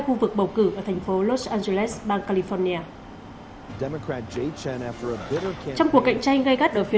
khu vực bầu cử ở thành phố los angeles bang california trong cuộc cạnh tranh gây gắt ở phía